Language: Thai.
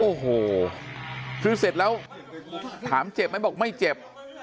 โอ้โหคือเสร็จแล้วถามเจ็บไหมบอกไม่เจ็บ